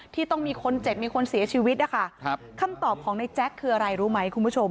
ที่ต้องมีคนเจ็บมีคนเสียชีวิตนะคะครับคำตอบของในแจ๊คคืออะไรรู้ไหมคุณผู้ชม